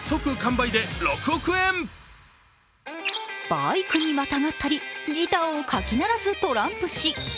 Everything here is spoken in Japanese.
バイクにまたがったりギターをかき鳴らすトランプ氏。